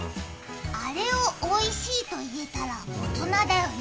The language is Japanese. あれをおいしいと言うなら大人だよね。